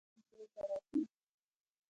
زموږ مجاهدین چې دلته راشي.